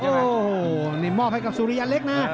โอ้โหนี่มอบให้กับสุริยันเล็กนะ